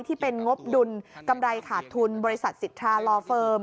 ที่เป็นงบดุลกำไรขาดทุนบริษัทสิทธาลอเฟิร์ม